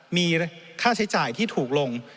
มีค่าใช้จ่ายที่ถูกลง